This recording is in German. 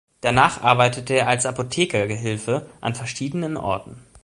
Danach arbeitete er als Apothekergehilfe an verschiedenen Orten.